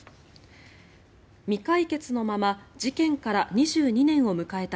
未解決のまま事件から２２年を迎えた